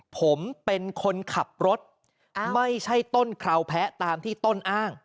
ผมเป็นคนขับรถไม่ใช่ต้นคราวแพ้ตามที่ต้นอ้าง